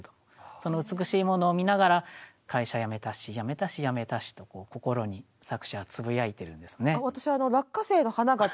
その美しいものを見ながら「会社やめたしやめたしやめたし」と心に作者はつぶやいてるんですね。